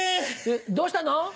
どうしたの？